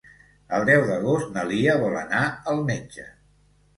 El deu d'agost na Lia vol anar al metge.